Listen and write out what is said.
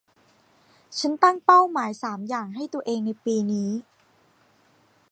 ฉันตั้งเป้าหมายสามอย่างให้ตัวเองในปีนี้